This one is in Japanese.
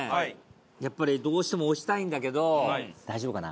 やっぱりどうしても推したいんだけど大丈夫かな？